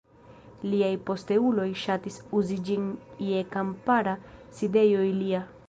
Liaj posteuloj ŝatis uzi ĝin je kampara sidejo ilia.